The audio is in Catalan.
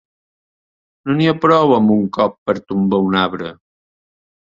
No n'hi ha prou amb un cop per tombar un arbre.